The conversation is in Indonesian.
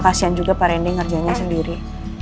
kasian juga pak randy ngerjanya sendiri